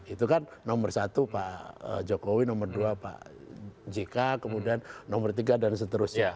itu kan nomor satu pak jokowi nomor dua pak jk kemudian nomor tiga dan seterusnya